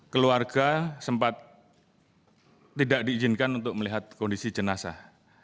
keluarga sempat tidak diizinkan untuk melihat kondisi jenazah